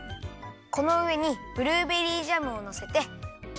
このうえにブルーベリージャムをのせて。